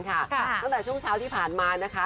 ตั้งแต่ช่วงเช้าที่ผ่านมานะคะ